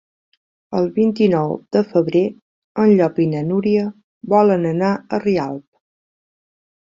El vint-i-nou de febrer en Llop i na Núria volen anar a Rialp.